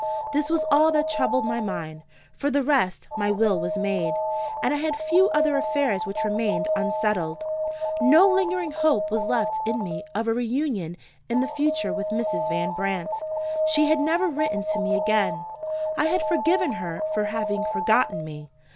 This was all that troubled my mind. For the rest, my will was made, and I had few other affairs which remained unsettled. No lingering hope was left in me of a reunion in the future with Mrs. Van Brandt. She had never written to me again; I had (forgiven) her for having forgotten me.